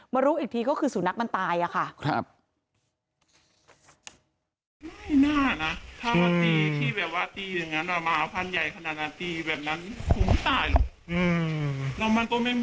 รู้อีกทีก็คือสุนัขมันตายค่ะ